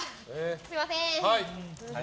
すみません。